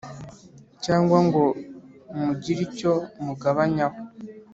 cyangwa ngo mugire icyo mugabanyaho,